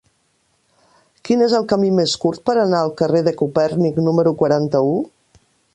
Quin és el camí més curt per anar al carrer de Copèrnic número quaranta-u?